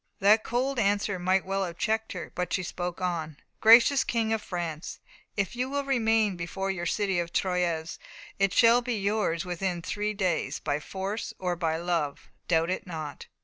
That cold answer might well have checked her, but she spoke on: "Gracious King of France, if you will remain before your city of Troyes, it shall be yours within three days by force or by love doubt it not."